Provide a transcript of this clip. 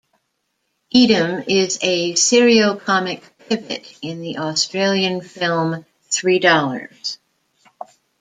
Edam is a seriocomic pivot in the Australian film "Three Dollars".